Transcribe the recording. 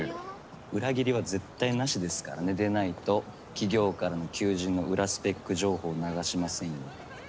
裏切りは絶対なしですからねでないと企業からの求人の裏スペック情報流しませんよ。